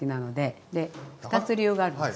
で２つ理由があるんです。